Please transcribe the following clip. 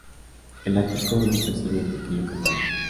El ático lo preside un pequeño calvario.